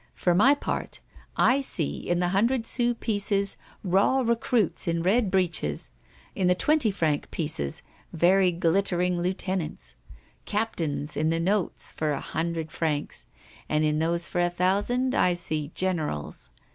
For my part, I see in the hundred sou pieces raw recruits in red breeches, in the twenty franc pieces very glittering lieutenants, captains in the notes for a hundred francs, and in those for a thousand I see generals.